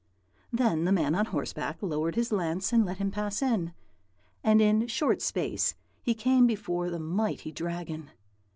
"Then the man on horseback lowered his lance, and let him pass in, and in short space he came before the mighty Dragon.